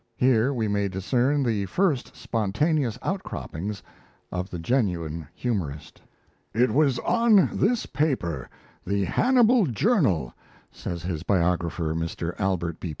Here we may discern the first spontaneous outcroppings of the genuine humorist. "It was on this paper, the 'Hannibal Journal'," says his biographer, Mr. Albert B.